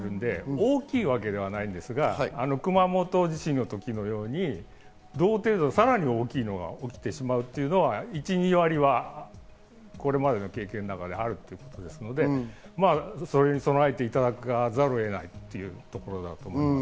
大きいわけではないですが、熊本地震の時のように同程度、さらに大きいのが起きてしまうというのは１２割はこれまでの経験の中であるということなので、それに備えていただかざるを得ないというところだと思います。